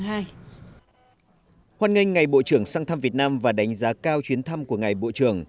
hoan nghênh ngày bộ trưởng sang thăm việt nam và đánh giá cao chuyến thăm của ngày bộ trưởng